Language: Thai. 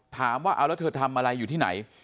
ถามว่าเอาแล้วเธอทำอะไรอยู่ที่ไหน